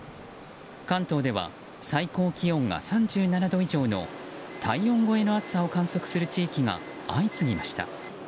関東では最高気温が３７度以上の体温超えの暑さを観測する地域が相次ぎました。